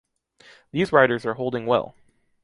These riders are holding well.